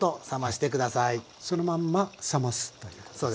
そのまんま冷ますということですね。